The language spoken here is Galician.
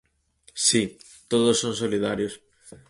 Si, todos son solidarios.